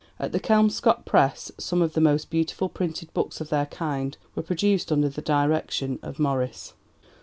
At the Kelmscott Press some of the most beautiful printed books of their kind were produced under the direction of Morris.